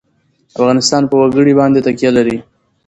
افغانستان په وګړي باندې تکیه لري.